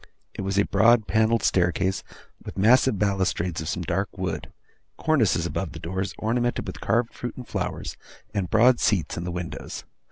It was a broad panelled staircase, with massive balustrades of some dark wood; cornices above the doors, ornamented with carved fruit and flowers; and broad seats in the windows.